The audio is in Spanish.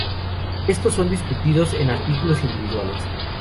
Estos son discutidos en artículos individuales.